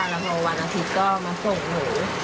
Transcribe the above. แล้วพอวันอาทิตย์ก็มาส่งหนู